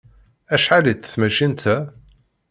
Acḥal-itt tmacint-a?